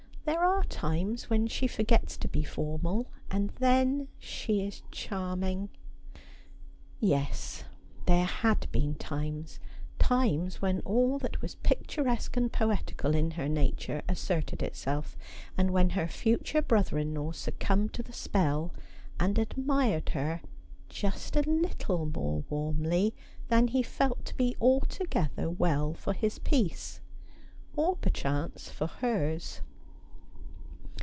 There are times when she forgets to be formal ; and then she is charming.' Yes ; there had been times — times when all that was pic turesque and poetical in her nature asserted itself, and when her future brother in law succumbed to the spell, and admired her just a little more warmly than he felt to be altogether Avell for his peace, or perchance for hers.